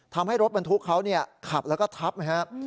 ทำให้รถบรรทุกเขาขับแล้วก็ทับนะครับ